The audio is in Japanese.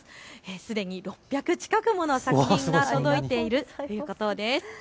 すでに６００近くもの作品が届いているということです。